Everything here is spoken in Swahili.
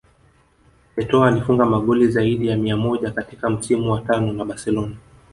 Etoo alifunga magoli zaidi ya mia moja katika msimu wa tano na Barcelona